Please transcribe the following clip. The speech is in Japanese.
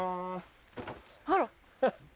あら！